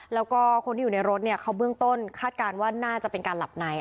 แล้วก็คนที่อยู่ในรถเนี่ยเขาเบื้องต้นคาดการณ์ว่าน่าจะเป็นการหลับใน